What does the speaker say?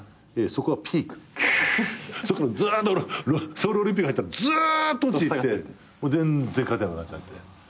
ソウルオリンピック入ったらずーっと落ちていって全然勝てなくなっちゃって。